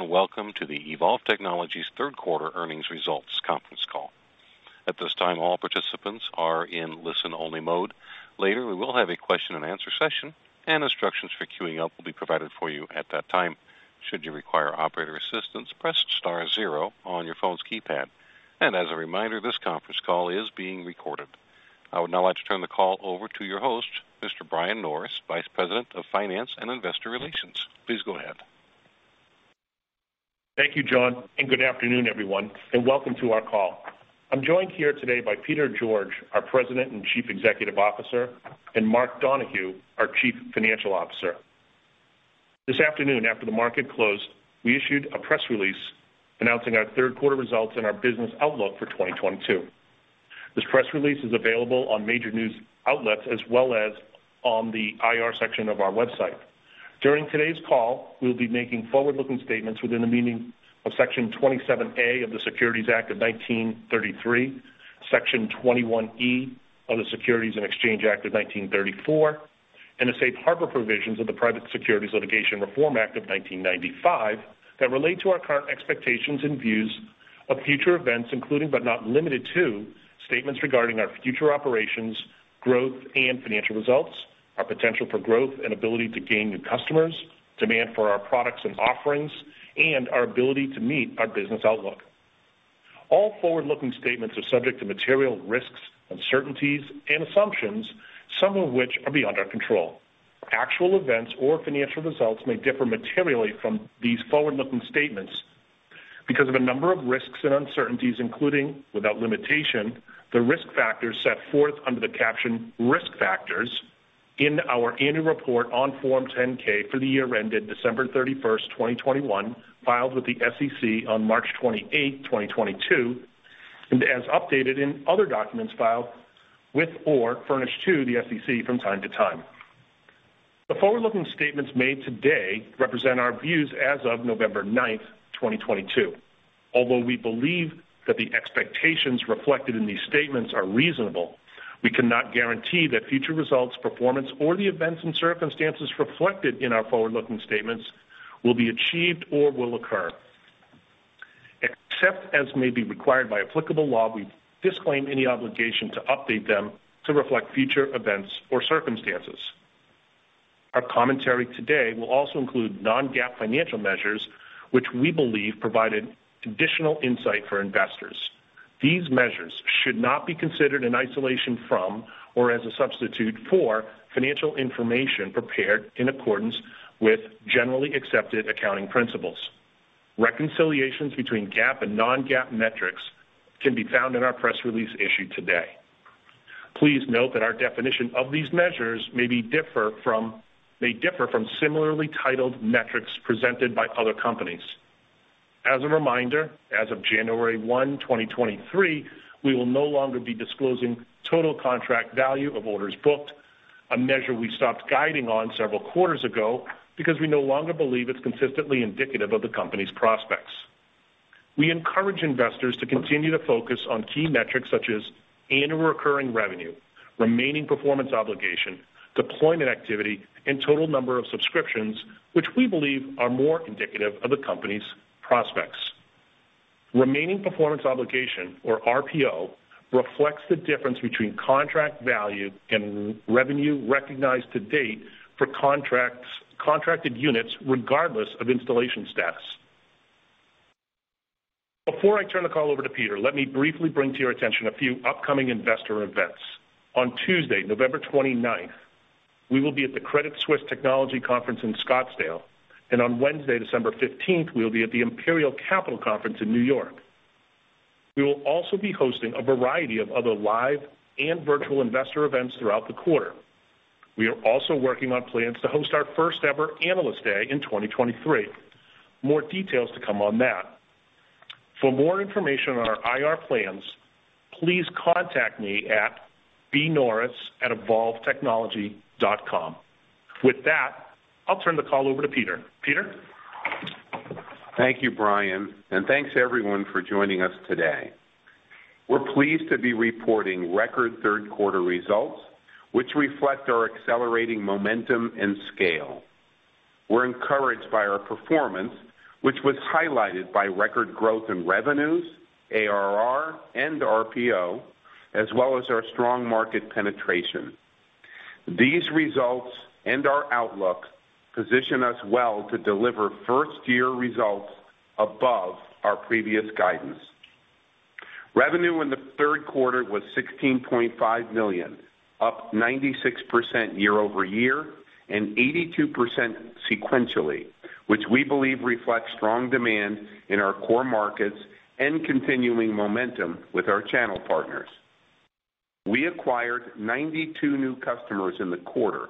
Welcome to the Evolv Technologies third quarter earnings results conference call. At this time, all participants are in listen-only mode. Later, we will have a question and answer session, and instructions for queuing up will be provided for you at that time. Should you require operator assistance, press star zero on your phone's keypad. As a reminder, this conference call is being recorded. I would now like to turn the call over to your host, Mr. Brian Norris, Vice President of Finance and Investor Relations. Please go ahead. Thank you, John, and good afternoon, everyone, and welcome to our call. I'm joined here today by Peter George, our President and Chief Executive Officer, and Mark Donohue, our Chief Financial Officer. This afternoon, after the market closed, we issued a press release announcing our third quarter results and our business outlook for 2022. This press release is available on major news outlets as well as on the IR section of our website. During today's call, we'll be making forward-looking statements within the meaning of Section 27A of the Securities Act of 1933, Section 21E of the Securities Exchange Act of 1934, and the safe harbor provisions of the Private Securities Litigation Reform Act of 1995 that relate to our current expectations and views of future events, including, but not limited to, statements regarding our future operations, growth, and financial results, our potential for growth and ability to gain new customers, demand for our products and offerings, and our ability to meet our business outlook. All forward-looking statements are subject to material risks, uncertainties and assumptions, some of which are beyond our control. Actual events or financial results may differ materially from these forward-looking statements because of a number of risks and uncertainties, including, without limitation, the risk factors set forth under the caption Risk Factors in our annual report on Form 10-K for the year ended December 31st, 2021, filed with the SEC on March 28, 2022, and as updated in other documents filed with or furnished to the SEC from time to time. The forward-looking statements made today represent our views as of November 9th, 2022. Although we believe that the expectations reflected in these statements are reasonable, we cannot guarantee that future results, performance, or the events and circumstances reflected in our forward-looking statements will be achieved or will occur. Except as may be required by applicable law, we disclaim any obligation to update them to reflect future events or circumstances. Our commentary today will also include non-GAAP financial measures which we believe provided additional insight for investors. These measures should not be considered in isolation from or as a substitute for financial information prepared in accordance with generally accepted accounting principles. Reconciliations between GAAP and non-GAAP metrics can be found in our press release issued today. Please note that our definition of these measures may differ from similarly titled metrics presented by other companies. As a reminder, as of January 1, 2023, we will no longer be disclosing total contract value of orders booked, a measure we stopped guiding on several quarters ago because we no longer believe it's consistently indicative of the company's prospects. We encourage investors to continue to focus on key metrics such as annual recurring revenue, remaining performance obligation, deployment activity, and total number of subscriptions, which we believe are more indicative of the company's prospects. Remaining performance obligation, or RPO, reflects the difference between contract value and revenue recognized to date for contracts, contracted units regardless of installation status. Before I turn the call over to Peter, let me briefly bring to your attention a few upcoming investor events. On Tuesday, November 29th, we will be at the Credit Suisse Technology Conference in Scottsdale. On Wednesday, December 15th, we'll be at the Imperial Capital Conference in New York. We will also be hosting a variety of other live and virtual investor events throughout the quarter. We are also working on plans to host our first-ever Analyst Day in 2023. More details to come on that. For more information on our IR plans, please contact me at bnorris@evolvtechnology.com. With that, I'll turn the call over to Peter. Peter? Thank you, Brian, and thanks everyone for joining us today. We're pleased to be reporting record third quarter results, which reflect our accelerating momentum and scale. We're encouraged by our performance, which was highlighted by record growth in revenues, ARR and RPO, as well as our strong market penetration. These results and our outlook position us well to deliver first-year results above our previous guidance. Revenue in the third quarter was $16.5 million, up 96% YoY and 82% sequentially, which we believe reflects strong demand in our core markets and continuing momentum with our channel partners. We acquired 92 new customers in the quarter,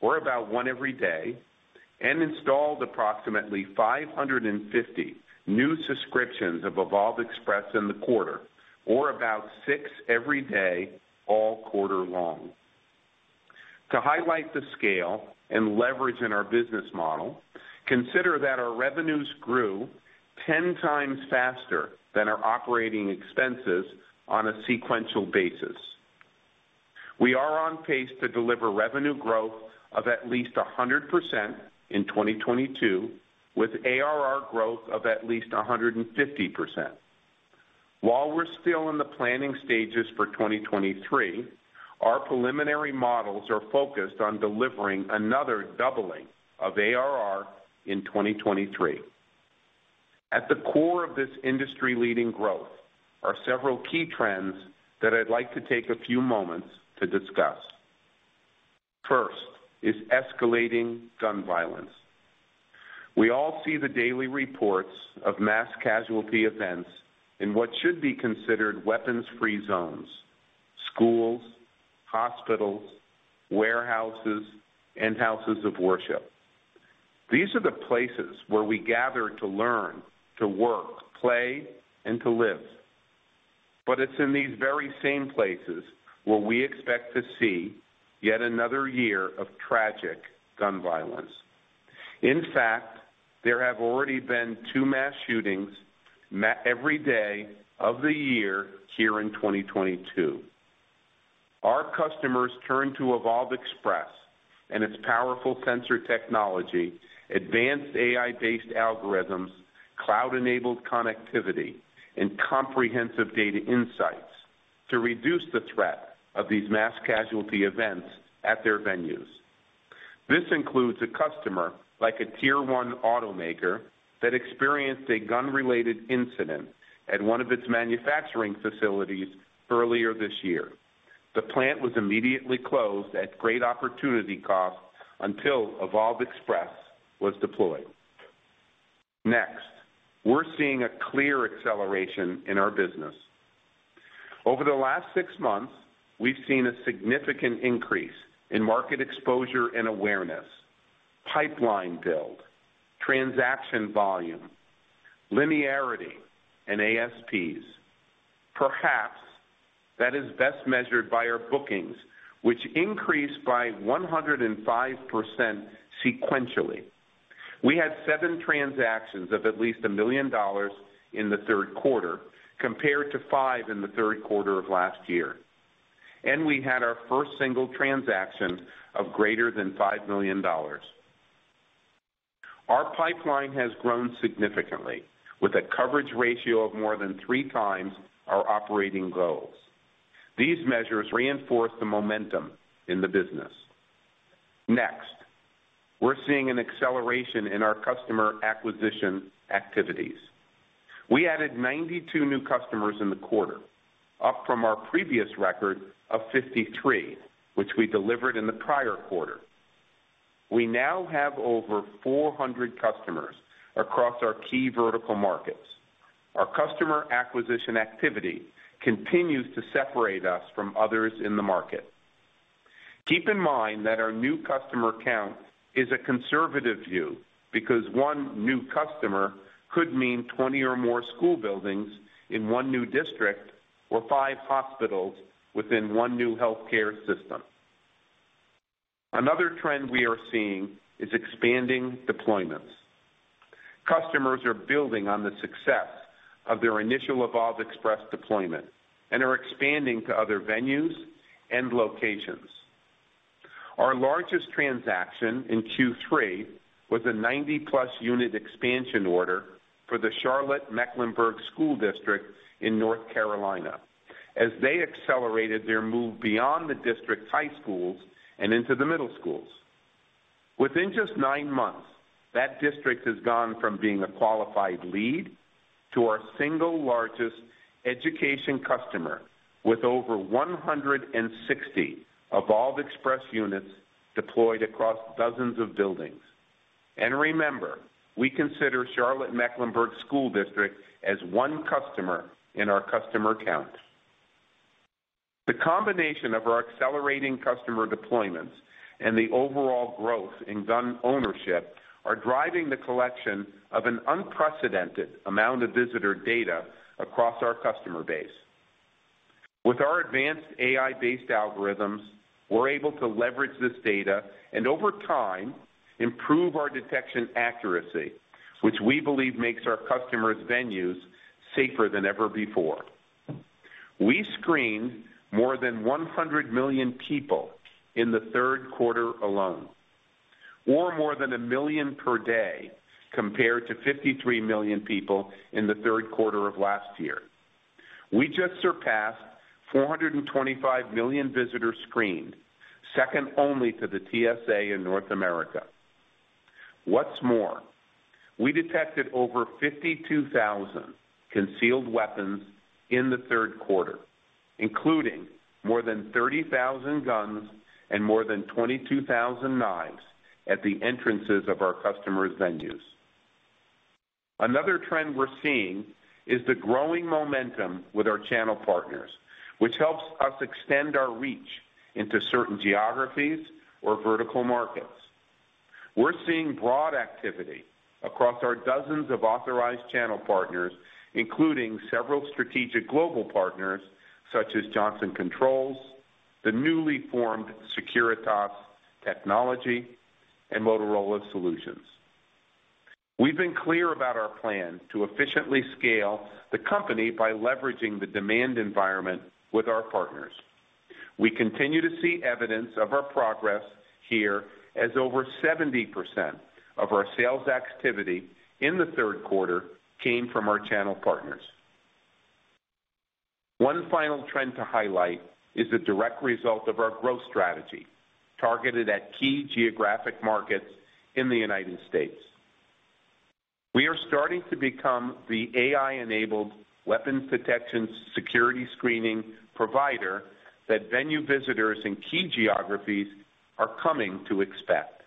or about one every day, and installed approximately 550 new subscriptions of Evolv Express in the quarter, or about six every day, all quarter long. To highlight the scale and leverage in our business model, consider that our revenues grew 10 times faster than our operating expenses on a sequential basis. We are on pace to deliver revenue growth of at least 100% in 2022, with ARR growth of at least 150%. While we're still in the planning stages for 2023, our preliminary models are focused on delivering another doubling of ARR in 2023. At the core of this industry-leading growth are several key trends that I'd like to take a few moments to discuss. First is escalating gun violence. We all see the daily reports of mass casualty events in what should be considered weapons-free zones, schools, hospitals, warehouses, and houses of worship. These are the places where we gather to learn, to work, play, and to live. It's in these very same places where we expect to see yet another year of tragic gun violence. In fact, there have already been two mass shootings every day of the year here in 2022. Our customers turn to Evolv Express and its powerful sensor technology, advanced AI-based algorithms, cloud-enabled connectivity, and comprehensive data insights to reduce the threat of these mass casualty events at their venues. This includes a customer like a tier one automaker that experienced a gun-related incident at one of its manufacturing facilities earlier this year. The plant was immediately closed at great opportunity cost until Evolv Express was deployed. Next, we're seeing a clear acceleration in our business. Over the last six months, we've seen a significant increase in market exposure and awareness, pipeline build, transaction volume, linearity, and ASPs. Perhaps that is best measured by our bookings, which increased by 105% sequentially. We had seven transactions of at least $1 million in the third quarter, compared to five in the third quarter of last year. We had our first single transaction of greater than $5 million. Our pipeline has grown significantly with a coverage ratio of more than three times our operating goals. These measures reinforce the momentum in the business. Next, we're seeing an acceleration in our customer acquisition activities. We added 92 new customers in the quarter, up from our previous record of 53, which we delivered in the prior quarter. We now have over 400 customers across our key vertical markets. Our customer acquisition activity continues to separate us from others in the market. Keep in mind that our new customer count is a conservative view because one new customer could mean 20 or more school buildings in one new district or five hospitals within one new healthcare system. Another trend we are seeing is expanding deployments. Customers are building on the success of their initial Evolv Express deployment and are expanding to other venues and locations. Our largest transaction in Q3 was a 90+ unit expansion order for the Charlotte-Mecklenburg School District in North Carolina as they accelerated their move beyond the district's high schools and into the middle schools. Within just nine months, that district has gone from being a qualified lead to our single largest education customer with over 160 Evolv Express units deployed across dozens of buildings. Remember, we consider Charlotte-Mecklenburg School District as one customer in our customer count. The combination of our accelerating customer deployments and the overall growth in gun ownership are driving the collection of an unprecedented amount of visitor data across our customer base. With our advanced AI-based algorithms, we're able to leverage this data and over time, improve our detection accuracy, which we believe makes our customers' venues safer than ever before. We screened more than 100 million people in the third quarter alone, or more than one million per day, compared to 53 million people in the third quarter of last year. We just surpassed 425 million visitors screened, second only to the TSA in North America. What's more, we detected over 52,000 concealed weapons in the third quarter, including more than 30,000 guns and more than 22,000 knives at the entrances of our customers' venues. Another trend we're seeing is the growing momentum with our channel partners, which helps us extend our reach into certain geographies or vertical markets. We're seeing broad activity across our dozens of authorized channel partners, including several strategic global partners such as Johnson Controls, the newly formed Securitas Technology, and Motorola Solutions. We've been clear about our plan to efficiently scale the company by leveraging the demand environment with our partners. We continue to see evidence of our progress here as over 70% of our sales activity in the third quarter came from our channel partners. One final trend to highlight is the direct result of our growth strategy targeted at key geographic markets in the United States. We are starting to become the AI-enabled weapons detection security screening provider that venue visitors in key geographies are coming to expect.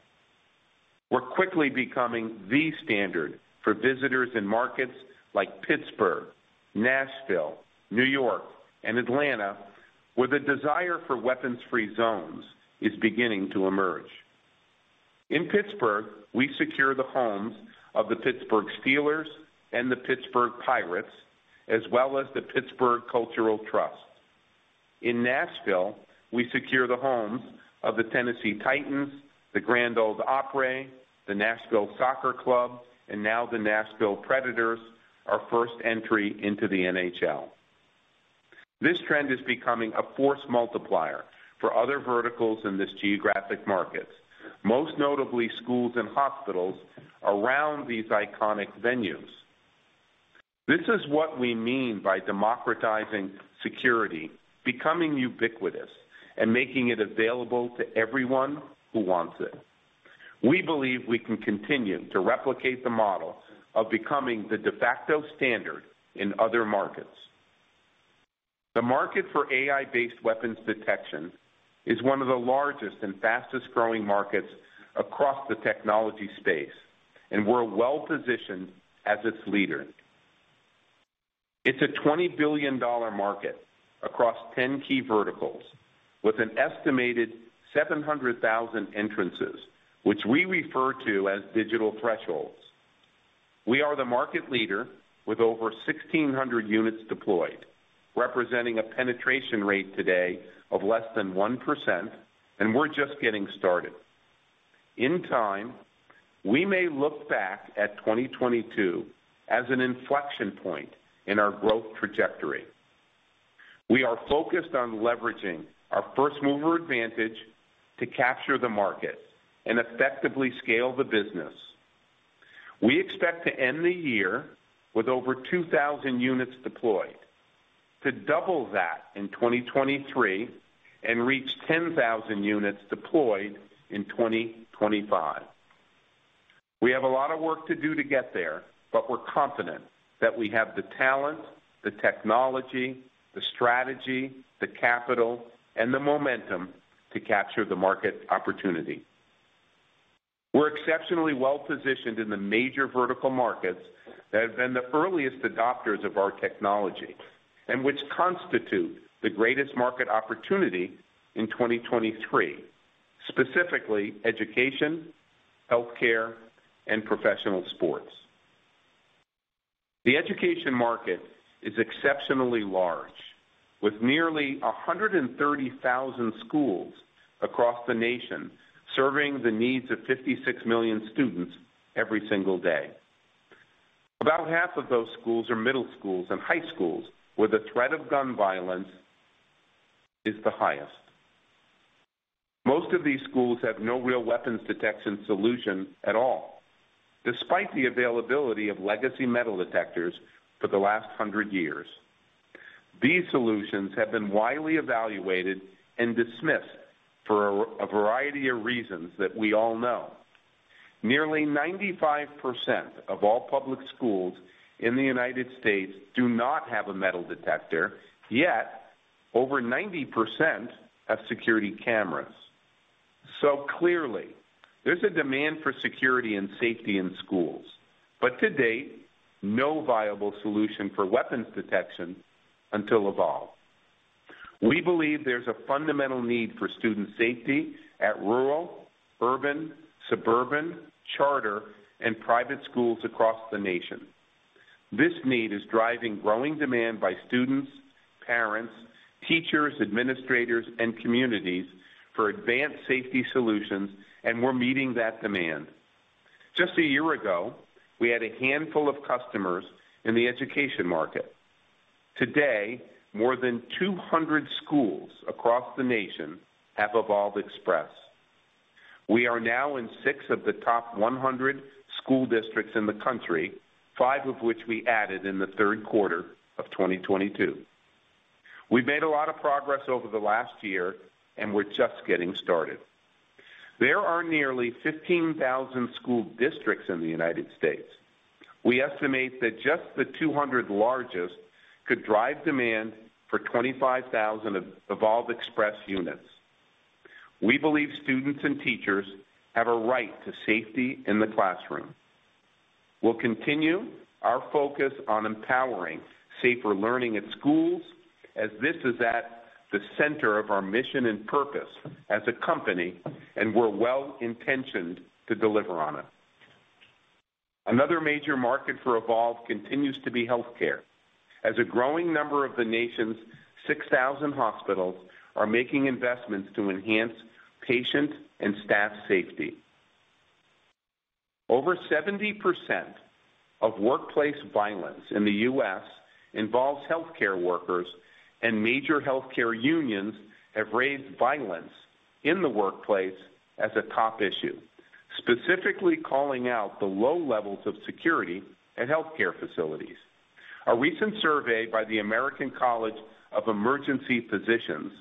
We're quickly becoming the standard for visitors in markets like Pittsburgh, Nashville, New York and Atlanta, where the desire for weapons-free zones is beginning to emerge. In Pittsburgh, we secure the homes of the Pittsburgh Steelers and the Pittsburgh Pirates, as well as the Pittsburgh Cultural Trust. In Nashville, we secure the homes of the Tennessee Titans, the Grand Ole Opry, the Nashville Soccer Club, and now the Nashville Predators, our first entry into the NHL. This trend is becoming a force multiplier for other verticals in these geographic markets, most notably schools and hospitals around these iconic venues. This is what we mean by democratizing security, becoming ubiquitous and making it available to everyone who wants it. We believe we can continue to replicate the model of becoming the de facto standard in other markets. The market for AI-based weapons detection is one of the largest and fastest-growing markets across the technology space, and we're well-positioned as its leader. It's a $20 billion market across 10 key verticals with an estimated 700,000 entrances, which we refer to as digital thresholds. We are the market leader with over 1,600 units deployed, representing a penetration rate today of less than 1%, and we're just getting started. In time, we may look back at 2022 as an inflection point in our growth trajectory. We are focused on leveraging our first-mover advantage to capture the market and effectively scale the business. We expect to end the year with over 2,000 units deployed, to double that in 2023, and reach 10,000 units deployed in 2025. We have a lot of work to do to get there, but we're confident that we have the talent, the technology, the strategy, the capital, and the momentum to capture the market opportunity. We're exceptionally well-positioned in the major vertical markets that have been the earliest adopters of our technology and which constitute the greatest market opportunity in 2023. Specifically, education, healthcare, and professional sports. The education market is exceptionally large, with nearly 130,000 schools across the nation serving the needs of 56 million students every single day. About half of those schools are middle schools and high schools where the threat of gun violence is the highest. Most of these schools have no real weapons detection solution at all, despite the availability of legacy metal detectors for the last 100 years. These solutions have been widely evaluated and dismissed for a variety of reasons that we all know. Nearly 95% of all public schools in the United States do not have a metal detector, yet over 90% have security cameras. Clearly, there's a demand for security and safety in schools, but to date, no viable solution for weapons detection until Evolv. We believe there's a fundamental need for student safety at rural, urban, suburban, charter, and private schools across the nation. This need is driving growing demand by students, parents, teachers, administrators, and communities for advanced safety solutions, and we're meeting that demand. Just a year ago, we had a handful of customers in the education market. Today, more than 200 schools across the nation have Evolv Express. We are now in six of the top 100 school districts in the country, five of which we added in the third quarter of 2022. We've made a lot of progress over the last year, and we're just getting started. There are nearly 15,000 school districts in the United States. We estimate that just the 200 largest could drive demand for 25,000 Evolv Express units. We believe students and teachers have a right to safety in the classroom. We'll continue our focus on empowering safer learning at schools as this is at the center of our mission and purpose as a company, and we're well-intentioned to deliver on it. Another major market for Evolv continues to be healthcare. As a growing number of the nation's 6,000 hospitals are making investments to enhance patient and staff safety. Over 70% of workplace violence in the U.S. involves healthcare workers, and major healthcare unions have raised violence in the workplace as a top issue, specifically calling out the low levels of security at healthcare facilities. A recent survey by the American College of Emergency Physicians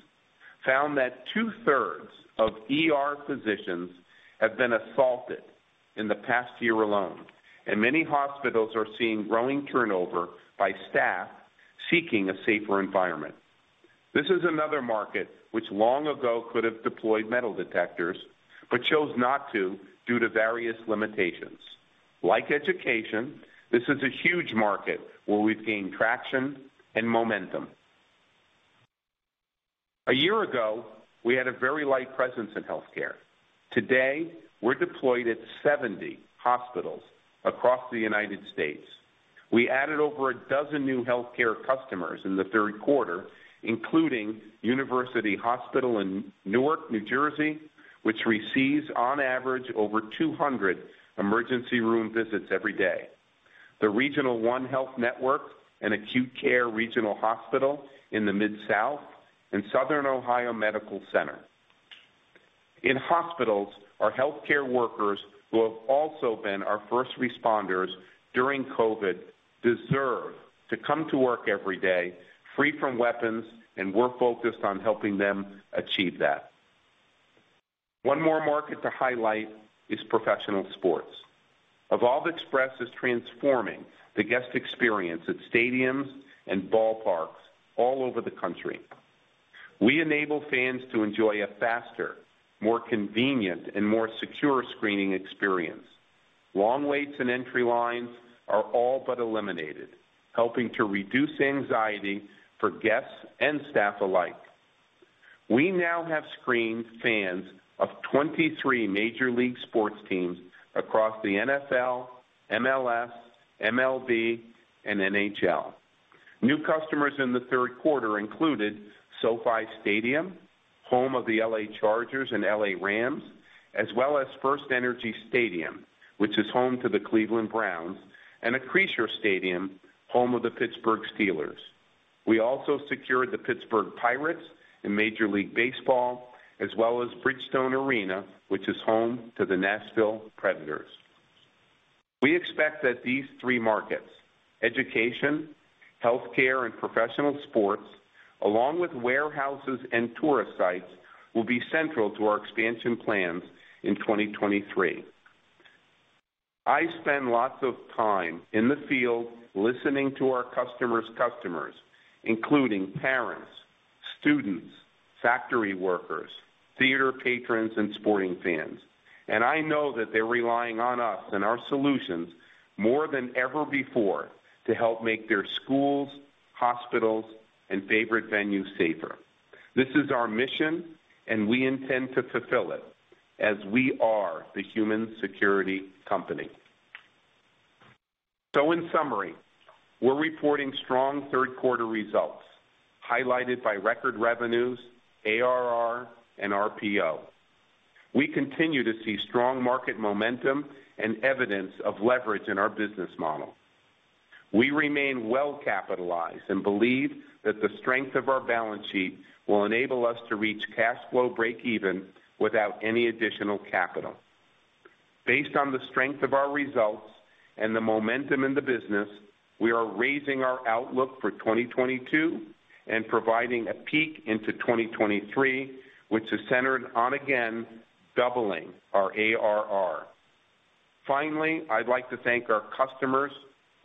found that two-thirds of ER physicians have been assaulted in the past year alone, and many hospitals are seeing growing turnover by staff seeking a safer environment. This is another market which long ago could have deployed metal detectors, but chose not to due to various limitations. Like education, this is a huge market where we've gained traction and momentum. A year ago, we had a very light presence in healthcare. Today, we're deployed at 70 hospitals across the United States. We added over a dozen new healthcare customers in the third quarter, including University Hospital in Newark, New Jersey, which receives on average over 200 emergency room visits every day, the Regional One Health, an acute care regional hospital in the Mid-South, and Southern Ohio Medical Center. In hospitals, our healthcare workers, who have also been our first responders during COVID, deserve to come to work every day free from weapons, and we're focused on helping them achieve that. One more market to highlight is professional sports. Evolv Express is transforming the guest experience at stadiums and ballparks all over the country. We enable fans to enjoy a faster, more convenient, and more secure screening experience. Long waits and entry lines are all but eliminated, helping to reduce anxiety for guests and staff alike. We now have screened fans of 23 major league sports teams across the NFL, MLS, MLB, and NHL. New customers in the third quarter included SoFi Stadium, home of the LA Chargers and LA Rams, as well as FirstEnergy Stadium, which is home to the Cleveland Browns, and Acrisure Stadium, home of the Pittsburgh Steelers. We also secured the Pittsburgh Pirates in Major League Baseball, as well as Bridgestone Arena, which is home to the Nashville Predators. We expect that these three markets, education, health care, and professional sports, along with warehouses and tourist sites, will be central to our expansion plans in 2023. I spend lots of time in the field listening to our customers' customers, including parents, students, factory workers, theater patrons, and sporting fans, and I know that they're relying on us and our solutions more than ever before to help make their schools, hospitals, and favorite venues safer. This is our mission, and we intend to fulfill it as we are the human security company. In summary, we're reporting strong third quarter results, highlighted by record revenues, ARR and RPO. We continue to see strong market momentum and evidence of leverage in our business model. We remain well capitalized and believe that the strength of our balance sheet will enable us to reach cash flow breakeven without any additional capital. Based on the strength of our results and the momentum in the business, we are raising our outlook for 2022 and providing a peek into 2023, which is centered on, again, doubling our ARR. Finally, I'd like to thank our customers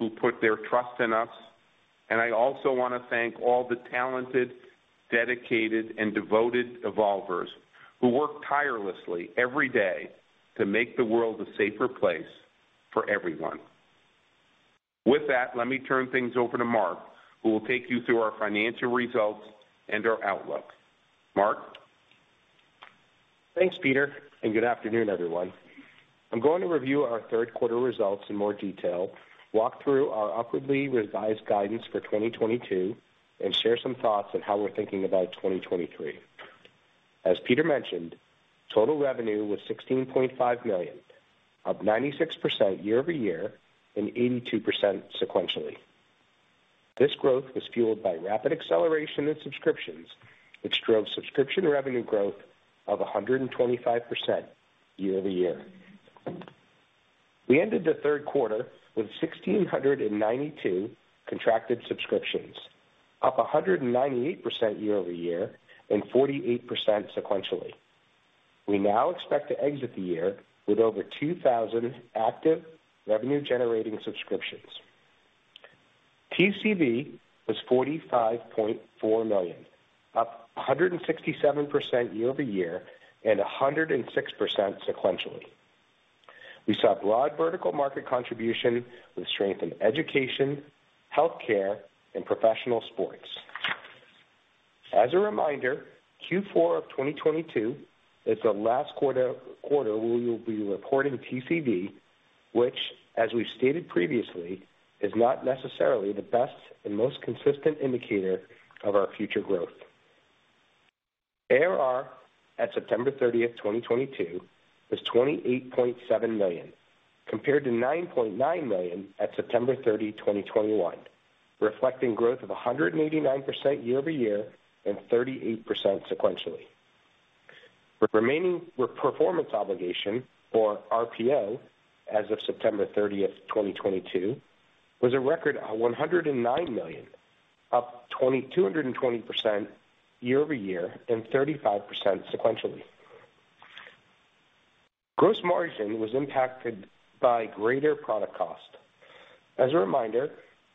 who put their trust in us. I also want to thank all the talented, dedicated, and devoted Evolvers who work tirelessly every day to make the world a safer place for everyone. With that, let me turn things over to Mark, who will take you through our financial results and our outlook. Mark. Thanks, Peter, and good afternoon, everyone. I'm going to review our third quarter results in more detail, walk through our upwardly revised guidance for 2022, and share some thoughts on how we're thinking about 2023. As Peter mentioned, total revenue was $16.5 million, up 96% YoY and 82% sequentially. This growth was fueled by rapid acceleration in subscriptions, which drove subscription revenue growth of 125% YoY. We ended the third quarter with 1,692 contracted subscriptions, up 198% YoY and 48% sequentially. We now expect to exit the year with over 2,000 active revenue-generating subscriptions. TCV was $45.4 million, up 167% YoY and 106% sequentially. We saw broad vertical market contribution with strength in education, healthcare, and professional sports. As a reminder, Q4 of 2022 is the last quarter where we will be reporting TCV, which, as we've stated previously, is not necessarily the best and most consistent indicator of our future growth. ARR at September 30, 2022 was $28.7 million, compared to $9.9 million at September 30, 2021, reflecting growth of 189% YoY and 38% sequentially. Remaining Performance Obligation, or RPO, as of September 30th, 2022, was a record $109 million, up 220% YoY and 35% sequentially. Gross margin was impacted by greater product cost. As a reminder,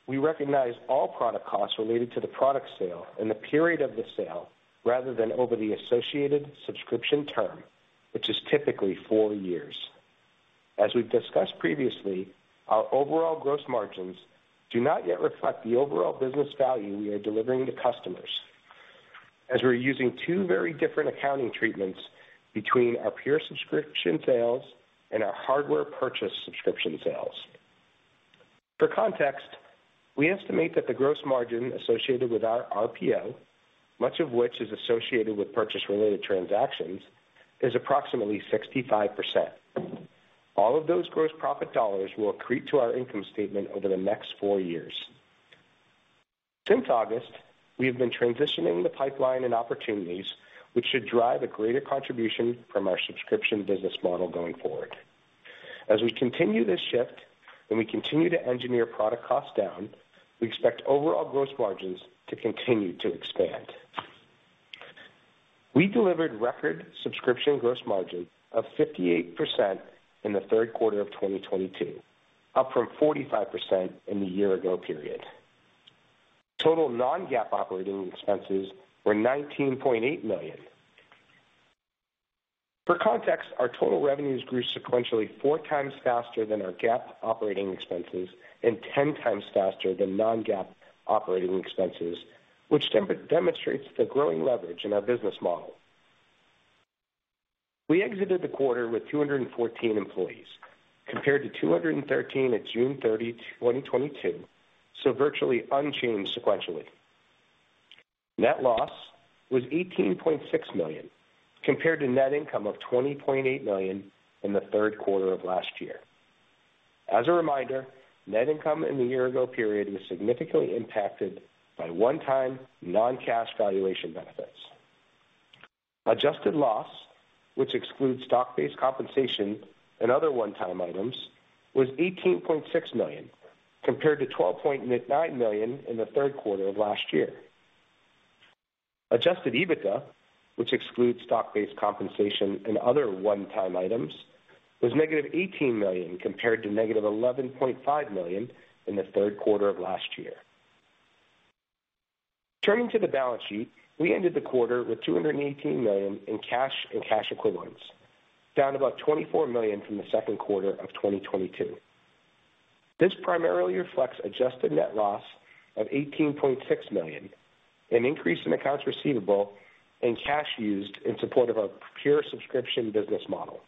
we recognize all product costs related to the product sale in the period of the sale rather than over the associated subscription term, which is typically four years. As we've discussed previously, our overall gross margins do not yet reflect the overall business value we are delivering to customers, as we're using two very different accounting treatments between our peer subscription sales and our hardware purchase subscription sales. For context, we estimate that the gross margin associated with our RPO, much of which is associated with purchase-related transactions, is approximately 65%. All of those gross profit dollars will accrete to our income statement over the next four years. Since August, we have been transitioning the pipeline and opportunities, which should drive a greater contribution from our subscription business model going forward. As we continue this shift, and we continue to engineer product costs down, we expect overall gross margins to continue to expand. We delivered record subscription gross margin of 58% in the third quarter of 2022, up from 45% in the year ago period. Total non-GAAP operating expenses were $19.8 million. For context, our total revenues grew sequentially four times faster than our GAAP operating expenses and 10 times faster than non-GAAP operating expenses, which demonstrates the growing leverage in our business model. We exited the quarter with 214 employees, compared to 213 at June 30, 2022, so virtually unchanged sequentially. Net loss was $18.6 million, compared to net income of $20.8 million in the third quarter of last year. As a reminder, net income in the year ago period was significantly impacted by one-time non-cash valuation benefits. Adjusted loss, which excludes stock-based compensation and other one-time items, was $18.6 million, compared to $12.9 million in the third quarter of last year. Adjusted EBITDA, which excludes stock-based compensation and other one-time items, was -$18 million, compared to -$11.5 million in the third quarter of last year. Turning to the balance sheet, we ended the quarter with $218 million in cash and cash equivalents, down about $24 million from the second quarter of 2022. This primarily reflects adjusted net loss of $18.6 million, an increase in accounts receivable, and cash used in support of our pure subscription business model.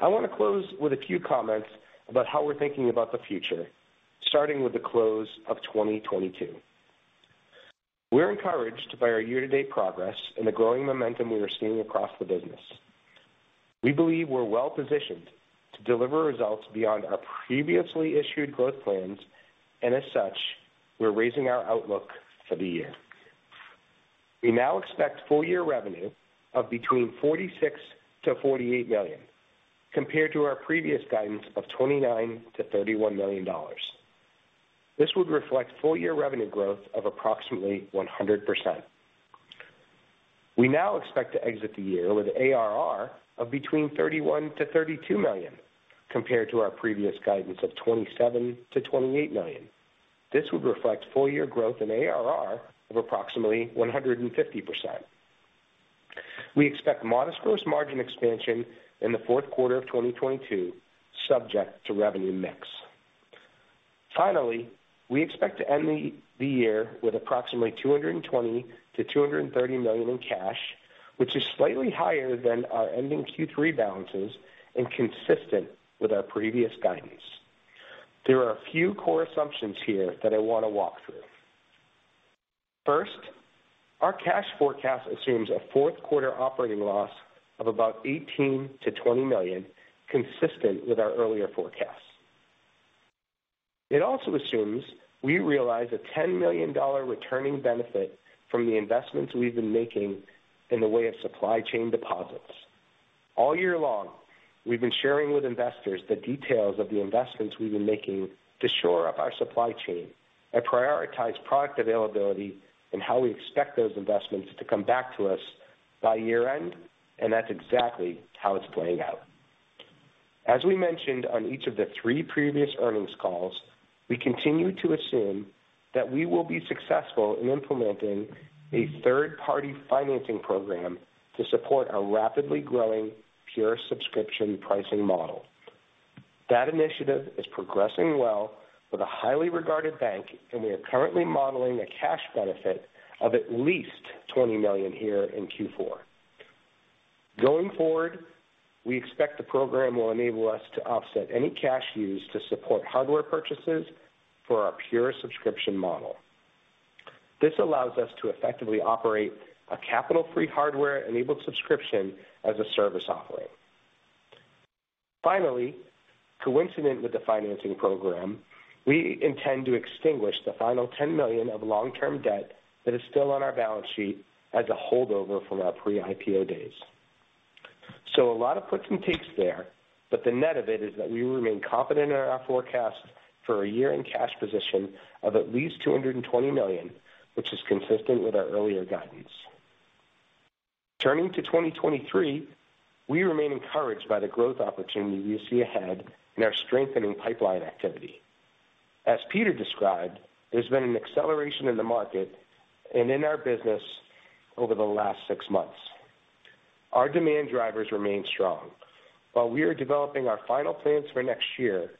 I wanna close with a few comments about how we're thinking about the future, starting with the close of 2022. We're encouraged by our year-to-date progress and the growing momentum we are seeing across the business. We believe we're well-positioned to deliver results beyond our previously issued growth plans, and as such, we're raising our outlook for the year. We now expect full year revenue of between $46 million-$48 million, compared to our previous guidance of $29 million-$31 million. This would reflect full year revenue growth of approximately 100%. We now expect to exit the year with ARR of between $31 million-$32 million, compared to our previous guidance of $27 million-$28 million. This would reflect full year growth in ARR of approximately 150%. We expect modest gross margin expansion in the fourth quarter of 2022, subject to revenue mix. Finally, we expect to end the year with approximately $220 million-$230 million in cash, which is slightly higher than our ending Q3 balances and consistent with our previous guidance. There are a few core assumptions here that I wanna walk through. First, our cash forecast assumes a fourth quarter operating loss of about $18 million-$20 million, consistent with our earlier forecasts. It also assumes we realize a $10 million returning benefit from the investments we've been making in the way of supply chain deposits. All year long, we've been sharing with investors the details of the investments we've been making to shore up our supply chain and prioritize product availability and how we expect those investments to come back to us by year-end, and that's exactly how it's playing out. As we mentioned on each of the three previous earnings calls, we continue to assume that we will be successful in implementing a third-party financing program to support our rapidly growing pure subscription pricing model. That initiative is progressing well with a highly regarded bank, and we are currently modeling a cash benefit of at least $20 million here in Q4. Going forward, we expect the program will enable us to offset any cash used to support hardware purchases for our pure subscription model. This allows us to effectively operate a capital-free hardware enabled subscription as a service offering. Finally, coincident with the financing program, we intend to extinguish the final $10 million of long-term debt that is still on our balance sheet as a holdover from our pre-IPO days. A lot of puts and takes there, but the net of it is that we remain confident in our forecast for a year-end cash position of at least $220 million, which is consistent with our earlier guidance. Turning to 2023, we remain encouraged by the growth opportunity we see ahead in our strengthening pipeline activity. As Peter described, there's been an acceleration in the market and in our business over the last six months. Our demand drivers remain strong. While we are developing our final plans for next year,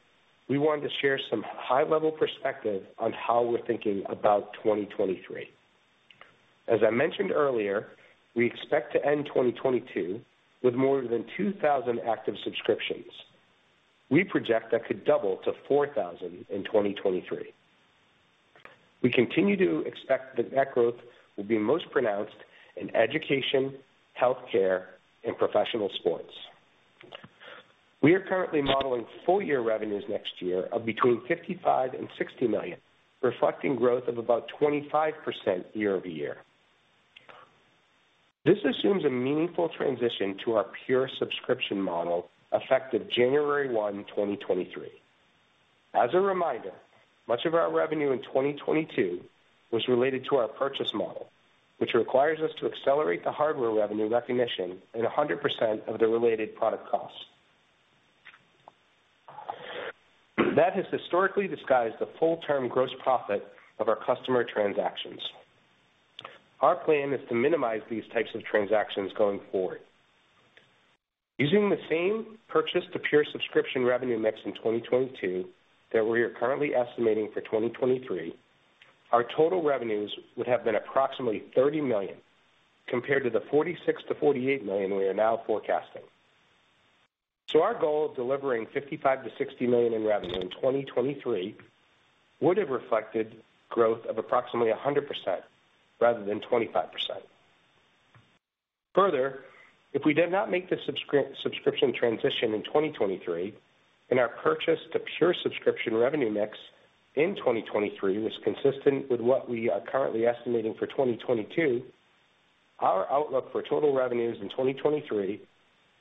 we wanted to share some high-level perspective on how we're thinking about 2023. As I mentioned earlier, we expect to end 2022 with more than 2,000 active subscriptions. We project that could double to 4,000 in 2023. We continue to expect that that growth will be most pronounced in education, healthcare, and professional sports. We are currently modeling full-year revenues next year of between $55 million and $60 million, reflecting growth of about 25% YoY. This assumes a meaningful transition to our pure subscription model effective January 1, 2023. As a reminder, much of our revenue in 2022 was related to our purchase model, which requires us to accelerate the hardware revenue recognition and 100% of the related product costs. That has historically disguised the full-term gross profit of our customer transactions. Our plan is to minimize these types of transactions going forward. Using the same purchase to pure subscription revenue mix in 2022 that we are currently estimating for 2023, our total revenues would have been approximately $30 million compared to the $46 million-$48 million we are now forecasting. Our goal of delivering $55 million-$60 million in revenue in 2023 would have reflected growth of approximately 100% rather than 25%. Further, if we did not make the subscription transition in 2023, and our purchase to pure subscription revenue mix in 2023 was consistent with what we are currently estimating for 2022, our outlook for total revenues in 2023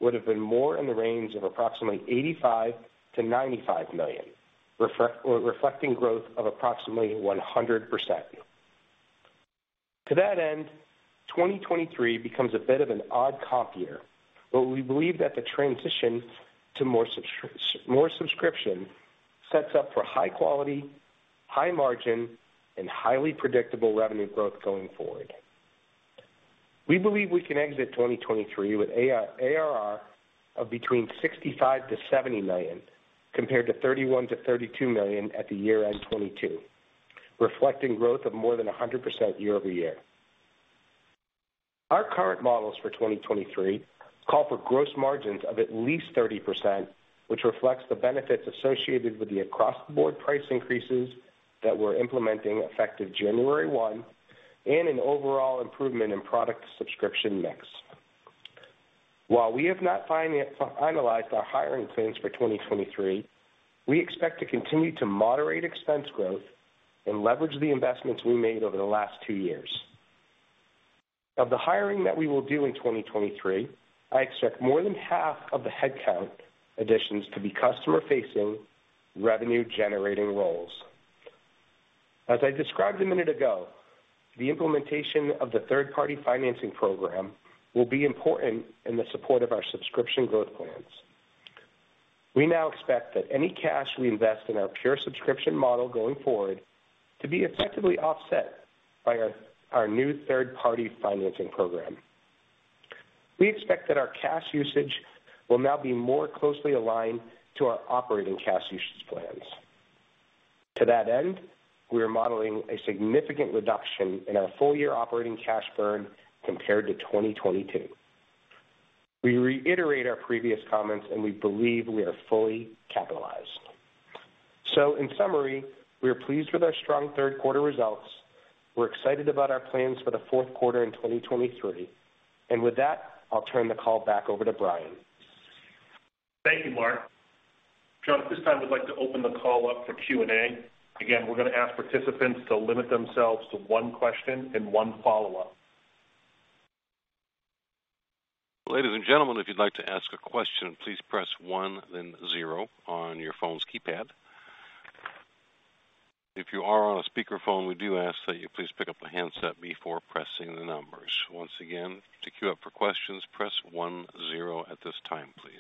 would have been more in the range of approximately $85 million-$95 million, reflecting growth of approximately 100%. To that end, 2023 becomes a bit of an odd comp year, but we believe that the transition to more subscription sets up for high quality, high margin, and highly predictable revenue growth going forward. We believe we can exit 2023 with ARR of between $65 million-$70 million, compared to $31 million-$32 million at the year-end 2022, reflecting growth of more than 100% YoY. Our current models for 2023 call for gross margins of at least 30%, which reflects the benefits associated with the across-the-board price increases that we're implementing effective January 1, and an overall improvement in product subscription mix. While we have not finalized our hiring plans for 2023, we expect to continue to moderate expense growth and leverage the investments we made over the last two years. Of the hiring that we will do in 2023, I expect more than half of the headcount additions to be customer-facing, revenue-generating roles. As I described a minute ago, the implementation of the third-party financing program will be important in the support of our subscription growth plans. We now expect that any cash we invest in our pure subscription model going forward to be effectively offset by our new third-party financing program. We expect that our cash usage will now be more closely aligned to our operating cash usage plans. To that end, we are modeling a significant reduction in our full-year operating cash burn compared to 2022. We reiterate our previous comments, and we believe we are fully capitalized. In summary, we are pleased with our strong third quarter results. We're excited about our plans for the fourth quarter in 2023. With that, I'll turn the call back over to Brian. Thank you, Mark. John, at this time, we'd like to open the call up for Q&A. Again, we're gonna ask participants to limit themselves to one question and one follow-up. Ladies and gentlemen, if you'd like to ask a question, please press one then zero on your phone's keypad. If you are on a speaker phone, we do ask that you please pick up the handset before pressing the numbers. Once again, to queue up for questions, press one zero at this time, please.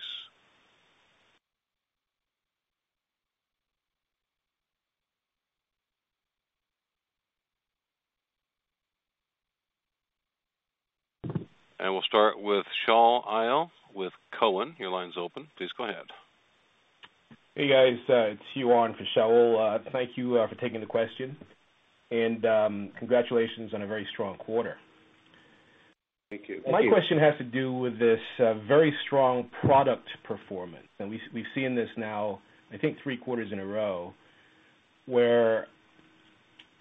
We'll start with Shaul Eyal with Cowen. Your line's open. Please go ahead. Hey, guys, it's Yuan for Shaul. Thank you for taking the question, and congratulations on a very strong quarter. Thank you. My question has to do with this very strong product performance. We've seen this now, I think, three quarters in a row, where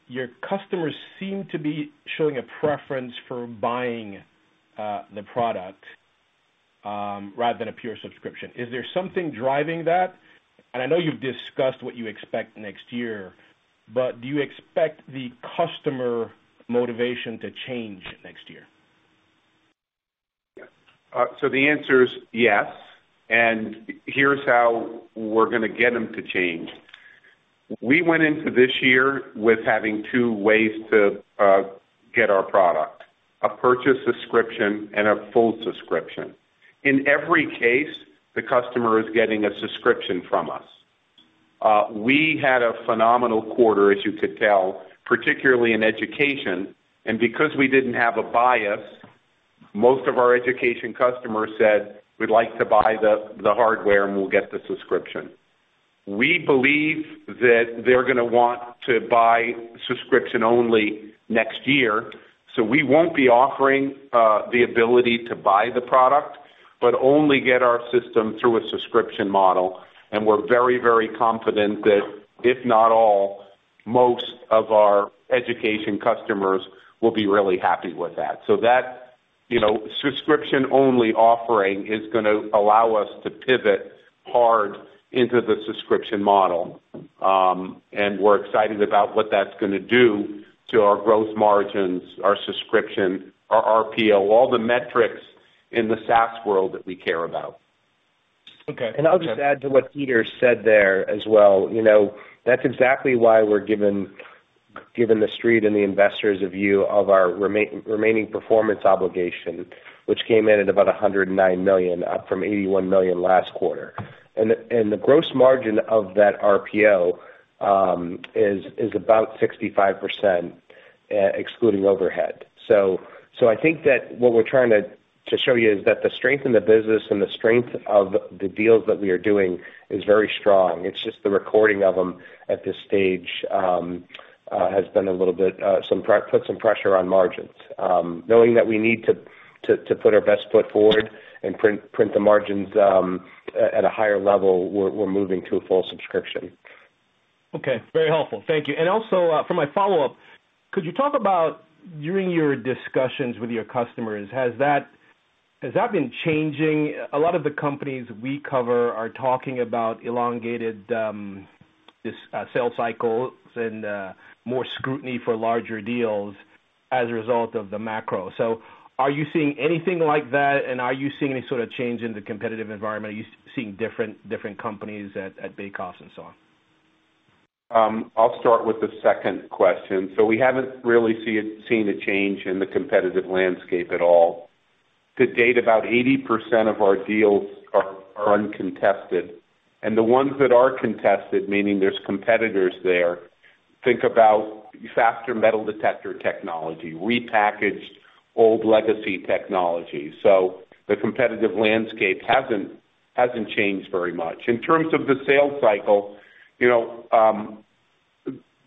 your customers seem to be showing a preference for buying the product rather than a pure subscription. Is there something driving that? I know you've discussed what you expect next year, but do you expect the customer motivation to change next year? The answer is yes. Here's how we're gonna get them to change. We went into this year with having two ways to get our product, a purchase subscription and a full subscription. In every case, the customer is getting a subscription from us. We had a phenomenal quarter, as you could tell, particularly in education. Because we didn't have a bias, most of our education customers said, "We'd like to buy the hardware, and we'll get the subscription." We believe that they're gonna want to buy subscription only next year, so we won't be offering the ability to buy the product, but only get our system through a subscription model. We're very, very confident that if not all, most of our education customers will be really happy with that. That, you know, subscription-only offering is gonna allow us to pivot hard into the subscription model. We're excited about what that's gonna do to our growth margins, our subscription, our RPO, all the metrics in the SaaS world that we care about. Okay. I'll just add to what Peter said there as well. You know, that's exactly why we're giving the street and the investors a view of our remaining performance obligation, which came in at about $109 million, up from $81 million last quarter. The gross margin of that RPO is about 65%, excluding overhead. I think that what we're trying to show you is that the strength in the business and the strength of the deals that we are doing is very strong. It's just the recording of them at this stage has put some pressure on margins. Knowing that we need to put our best foot forward and print the margins at a higher level, we're moving to a full subscription. Okay. Very helpful. Thank you. Also, for my follow-up, could you talk about during your discussions with your customers, has that been changing? A lot of the companies we cover are talking about elongated sales cycles and more scrutiny for larger deals as a result of the macro. Are you seeing anything like that, and are you seeing any sort of change in the competitive environment? Are you seeing different companies at bake-off and so on? I'll start with the second question. We haven't really seen a change in the competitive landscape at all. To date, about 80% of our deals are uncontested. The ones that are contested, meaning there's competitors there, think about faster metal detector technology, repackaged old legacy technology. The competitive landscape hasn't changed very much. In terms of the sales cycle, you know,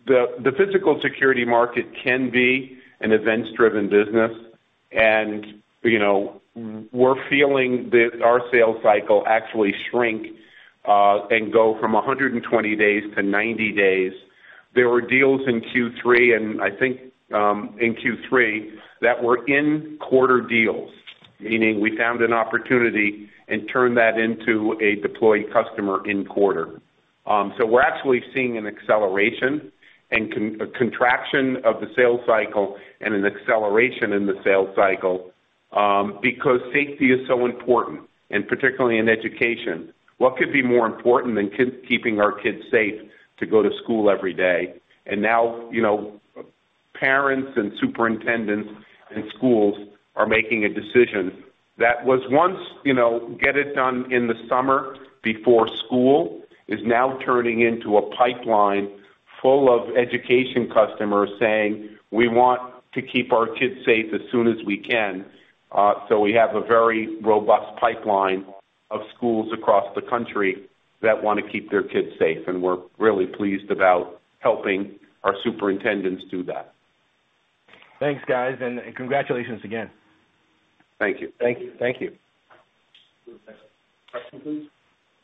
the physical security market can be an events-driven business. You know, we're feeling our sales cycle actually shrink and go from 120 days-90 days. There were deals in Q3, and I think in Q3, that were in-quarter deals, meaning we found an opportunity and turned that into a deployed customer in-quarter. We're actually seeing an acceleration and contraction of the sales cycle and an acceleration in the sales cycle because safety is so important, and particularly in education. What could be more important than kids, keeping our kids safe to go to school every day? Now, you know, parents and superintendents and schools are making a decision that was once, you know, get it done in the summer before school, is now turning into a pipeline full of education customers saying, "We want to keep our kids safe as soon as we can." We have a very robust pipeline of schools across the country that wanna keep their kids safe, and we're really pleased about helping our superintendents do that. Thanks, guys. Congratulations again. Thank you. Thank you. Thank you.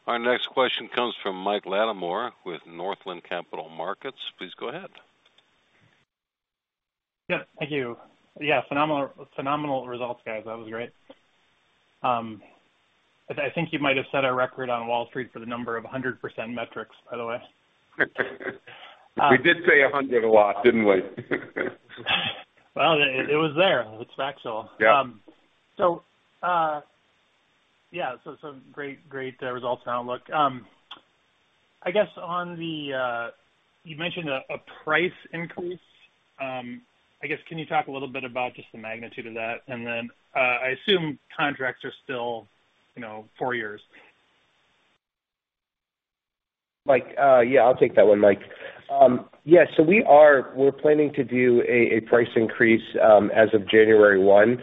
Our next question comes from Mike Latimore with Northland Capital Markets. Please go ahead. Yeah. Thank you. Yeah. Phenomenal results, guys. That was great. I think you might have set a record on Wall Street for the number of 100% metrics, by the way. We did say 100% a lot, didn't we? Well, it was there. It's factual. Yeah. Yeah, great results and outlook. I guess on the you mentioned a price increase. I guess, can you talk a little bit about just the magnitude of that? I assume contracts are still, you know, four years. Mike, yeah, I'll take that one, Mike. Yeah, we're planning to do a price increase as of January one.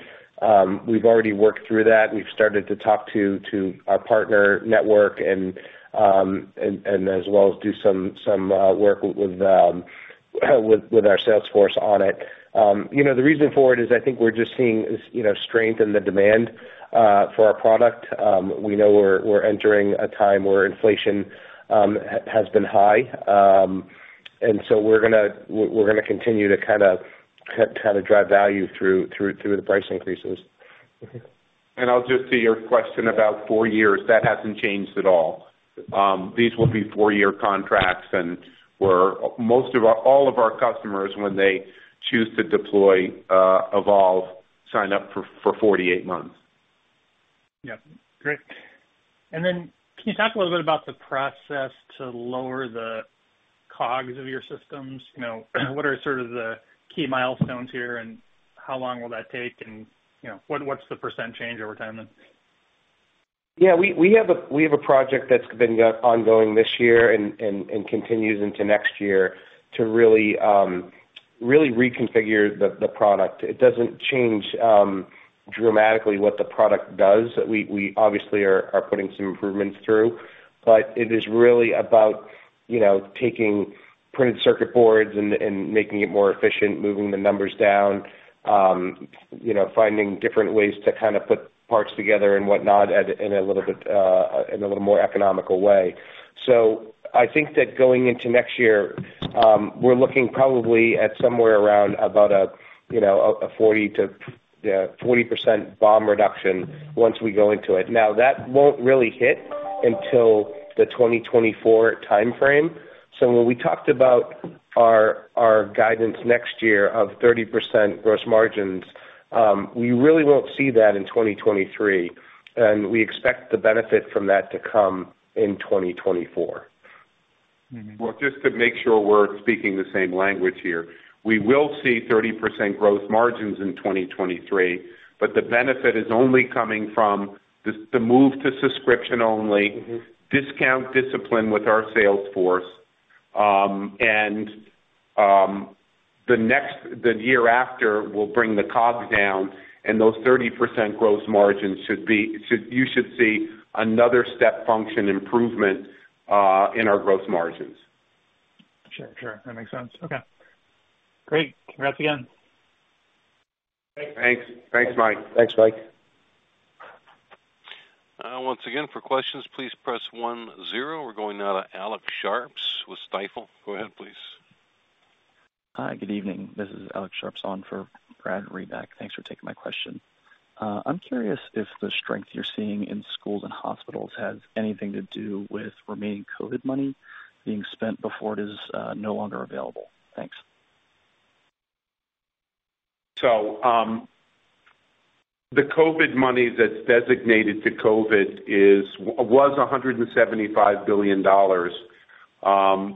We've already worked through that, and we've started to talk to our partner network and as well as do some work with our sales force on it. You know, the reason for it is I think we're just seeing this, you know, strength in the demand for our product. We know we're entering a time where inflation has been high. We're gonna continue to kinda drive value through the price increases. I'll get to your question about four years, that hasn't changed at all. These will be four-year contracts. All of our customers when they choose to deploy Evolv sign up for 48 months. Yeah. Great. Can you talk a little bit about the process to lower the COGS of your systems? You know, what are sort of the key milestones here, and how long will that take? You know, what's the percent change over time then? Yeah. We have a project that's been ongoing this year and continues into next year to really reconfigure the product. It doesn't change dramatically what the product does. We obviously are putting some improvements through, but it is really about, you know, taking printed circuit boards and making it more efficient, moving the numbers down, you know, finding different ways to kinda put parts together and whatnot in a little more economical way. I think that going into next year, we're looking probably at somewhere around about a, you know, a 40%-40% BOM reduction once we go into it. Now, that won't really hit until the 2024 timeframe. When we talked about our guidance next year of 30% gross margins, we really won't see that in 2023, and we expect the benefit from that to come in 2024. Well, just to make sure we're speaking the same language here. We will see 30% growth margins in 2023, but the benefit is only coming from the move to subscription only- Mm-hmm. discount discipline with our sales force. The year after, we'll bring the COGS down, and those 30% gross margins should be. You should see another step function improvement in our gross margins. Sure. Sure. That makes sense. Okay. Great. Congrats again. Thanks. Thanks, Mike. Thanks, Mike. Once again, for questions, please press one zero. We're going now to Alecs Sharps with Stifel. Go ahead, please. Hi, good evening. This is Alecs Sharps on for Brad Reback. Thanks for taking my question. I'm curious if the strength you're seeing in schools and hospitals has anything to do with remaining COVID money being spent before it is no longer available. Thanks. The COVID money that's designated to COVID is $175 billion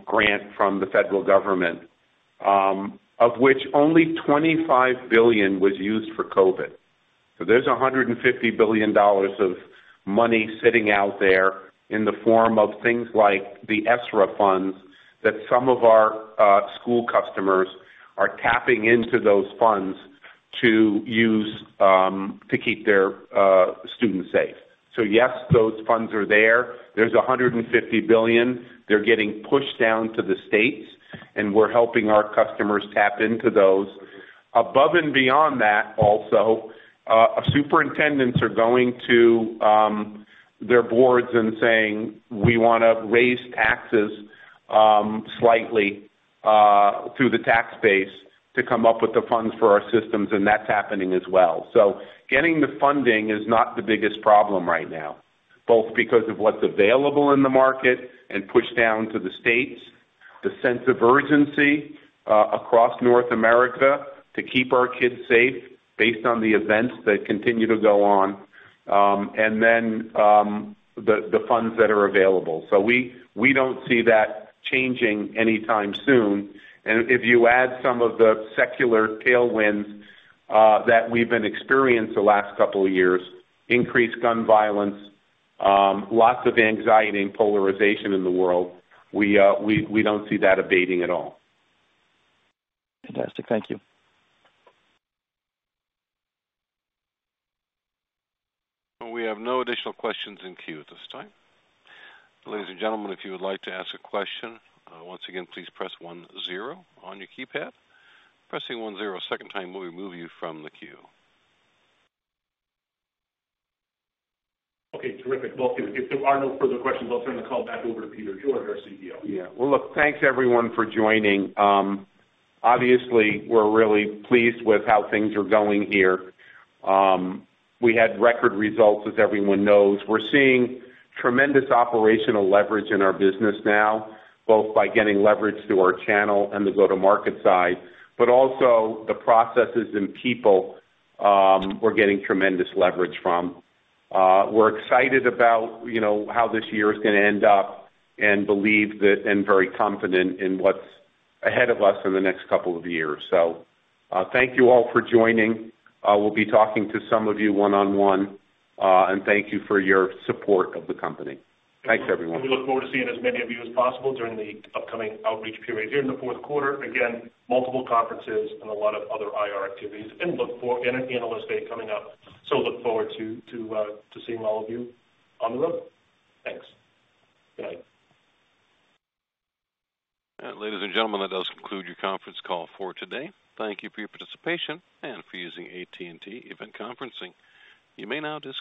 grant from the federal government, of which only $25 billion was used for COVID. There's $150 billion of money sitting out there in the form of things like the ESSER funds that some of our school customers are tapping into those funds to use to keep their students safe. Yes, those funds are there. There's $150 billion. They're getting pushed down to the states, and we're helping our customers tap into those. Above and beyond that also, superintendents are going to their boards and saying, "We wanna raise taxes slightly through the tax base to come up with the funds for our systems," and that's happening as well. Getting the funding is not the biggest problem right now, both because of what's available in the market and pushed down to the states, the sense of urgency across North America to keep our kids safe based on the events that continue to go on, and then the funds that are available. We don't see that changing anytime soon. If you add some of the secular tailwinds that we've been experienced the last couple of years, increased gun violence, lots of anxiety and polarization in the world, we don't see that abating at all. Fantastic. Thank you. We have no additional questions in queue at this time. Ladies and gentlemen, if you would like to ask a question, once again, please press one zero on your keypad. Pressing one zero a second time will remove you from the queue. Okay. Terrific. Well, if there are no further questions, I'll turn the call back over to Peter George, our CEO. Well, look, thanks, everyone, for joining. Obviously, we're really pleased with how things are going here. We had record results, as everyone knows. We're seeing tremendous operational leverage in our business now, both by getting leverage through our channel and the go-to-market side, but also the processes and people, we're getting tremendous leverage from. We're excited about, you know, how this year is gonna end up and believe that and very confident in what's ahead of us in the next couple of years. Thank you all for joining. We'll be talking to some of you one on one. And thank you for your support of the company. Thanks, everyone. We look forward to seeing as many of you as possible during the upcoming outreach period here in the fourth quarter. Again, multiple conferences and a lot of other IR activities, and an Analyst Day coming up. Look forward to seeing all of you on the road. Thanks. Bye. Ladies and gentlemen, that does conclude your conference call for today. Thank you for your participation and for using AT&T Event Conferencing. You may now disconnect.